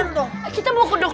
eh tapi kita bebek ya apa kak